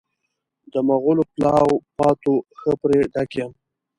د مغلو پلاو پاتو ښه پرې ډک یم.